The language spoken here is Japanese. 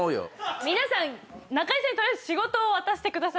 皆さん中居さんに取りあえず仕事を渡してください。